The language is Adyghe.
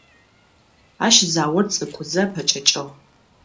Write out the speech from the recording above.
Ащ заор цӀыкӀузэ пэкӏэкӏыгъ.